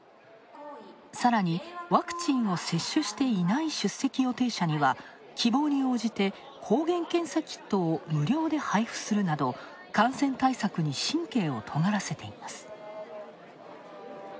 さらに、ワクチンを接種していない出席予定者には、希望に応じて、抗原検査キットを無料で配布するなど感染対策に神経をとがらせています。